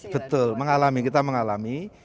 betul mengalami kita mengalami